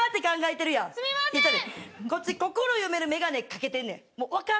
こっち心読める眼鏡かけてんねん。